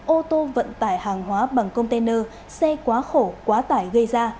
ô tô vận tải hàng hóa bằng container xe quá khổ quá tải gây ra